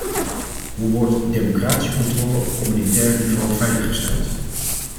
Hoe wordt democratische controle op communautair niveau veiliggesteld?